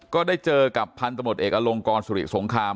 ก็ได้เจอกับพันธมตเอกอลงกรสุริสงคราม